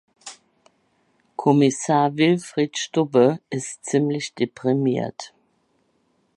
Kommissar Wilfried Stubbe ist ziemlich deprimiert.